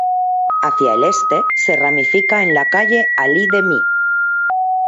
Hacia el este se ramifica en la Calle Ali Demi.